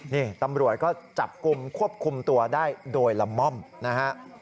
นี่ตำรวจก็จับกลุ่มควบคุมตัวได้โดยละม่อมนะฮะ